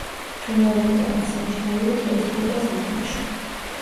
ფრინველებიდან აღსანიშნავია ტყის ბუ და ზარნაშო.